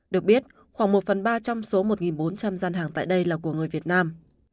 được biết khoảng một phần ba trong số một bốn trăm linh gian hàng tại đây là của người việt nam